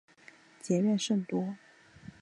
结怨甚多。